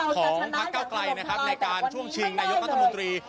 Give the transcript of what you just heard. ของพักเก้าไกลนะครับในการช่วงชิงนายกรัฐมนตรี